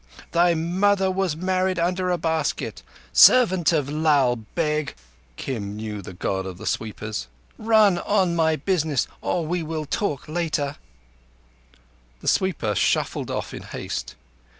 Thy mother was married under a basket! Servant of Lal Beg" (Kim knew the God of the sweepers), "run on my business or we will talk again." The sweeper shuffled off in haste.